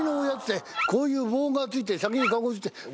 こういう棒がついて先に籠がついて。